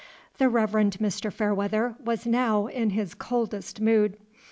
The Reverend Mr. Fairweather was now in his coldest mood.